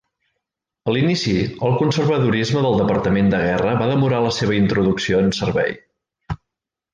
A l'inici, el conservadorisme del Departament de Guerra va demorar la seva introducció en servei.